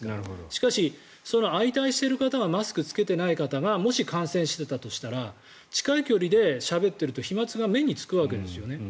しかし、相対している方がマスクを着けていない方がもし、感染してたとしたら近い距離でしゃべっていると飛まつが目につくわけですよね。